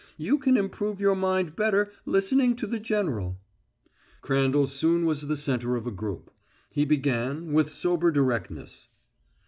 You can improve your mind better listening to the general." Crandall soon was the center of a group. He began, with sober directness.